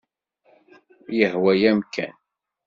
Yehwa-yam kan.